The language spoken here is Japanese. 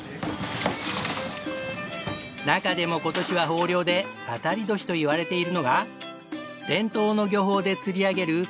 中でも今年は豊漁で当たり年といわれているのが伝統の漁法で釣り上げる